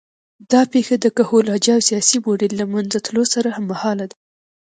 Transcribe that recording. دا پېښه د کهول اجاو سیاسي موډل له منځه تلو سره هممهاله ده